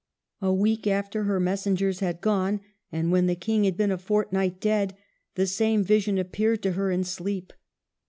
A week after her messengers had gone, and when the King had been a fortnight dead, the same vision appeared to her in sleep.